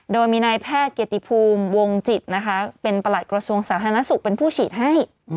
โดยมีนายแพทย์เกียรติภูมิวงจิตนะคะเป็นประหลัดกระทรวงสาธารณสุขเป็นผู้ฉีดให้